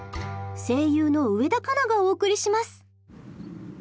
声優の植田佳奈がお送りします。